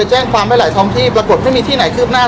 พี่แจงในประเด็นที่เกี่ยวข้องกับความผิดที่ถูกเกาหา